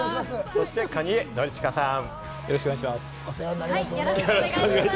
そして蟹江憲史さん。